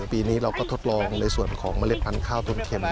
ปีนี้เราก็ทดลองในส่วนของเมล็ดพันธุ์ข้าวทนเข็ม